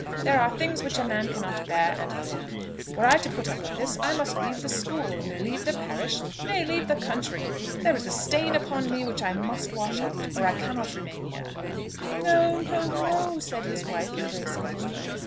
There are things which a man cannot bear and live. Were I to put up with this I must leave the school, leave the parish; nay, leave the country. There is a stain upon me which I must wash out, or I cannot remain here." "No, no, no," said his wife, embracing him.